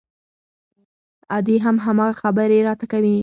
ادې هم هماغه خبرې راته کوي.